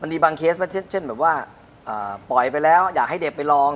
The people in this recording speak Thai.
มีบางเคสเช่นแบบว่าปล่อยไปแล้วอยากให้เด็กไปลอง